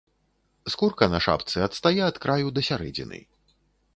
Скурка на шапцы адстае ад краю да сярэдзіны.